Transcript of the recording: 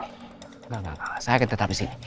enggak enggak enggak saya akan tetap disini